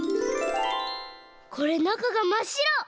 これなかがまっしろ！